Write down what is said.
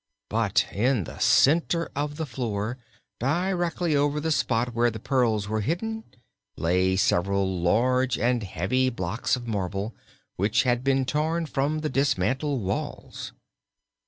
But in the center of the floor, directly over the spot where the pearls were hidden, lay several large and heavy blocks of marble, which had been torn from the dismantled walls.